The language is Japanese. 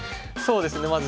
そうですね